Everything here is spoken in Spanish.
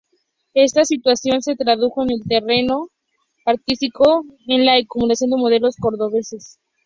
Esta situación se tradujo en el terreno artístico en la emulación de modelos cordobeses.